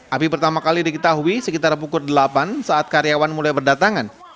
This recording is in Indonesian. api pertama kali diketahui sekitar pukul delapan saat karyawan mulai berdatangan